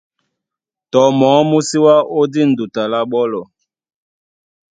Tɔ mɔɔ́ mú sí wá ó dîn duta lá ɓɔ́lɔ.